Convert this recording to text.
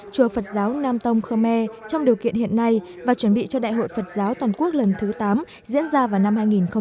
chùa phật giáo nam tông khơ me trong điều kiện hiện nay và chuẩn bị cho đại hội phật giáo toàn quốc lần thứ tám diễn ra vào năm hai nghìn hai mươi